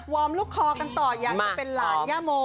วอร์มลูกคอกันต่ออย่างเป็นล้านย่าโม